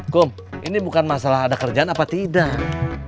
kum ini bukan masalah ada kerjaan apa tidak